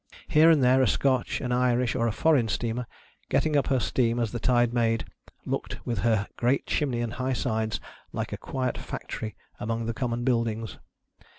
Here and there, a Scotch, an Irish, or a foreign steamer, getting up her steam as the tide made, looked, with her great chimney and high sides, like a quiet factory among the common buildings.